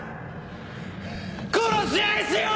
殺し合いしよう！